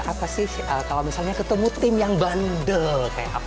apa sih kalau ketemu tim yang bandel